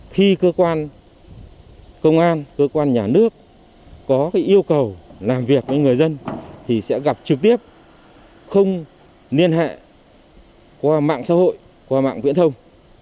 khi cơ quan công an cơ quan nhà nước có yêu cầu làm việc với người dân thì sẽ gặp trực tiếp không liên hệ qua mạng xã hội qua mạng viễn thông